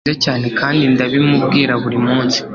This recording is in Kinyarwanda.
Ni mwiza cyane kandi ndabimubwira buri munsi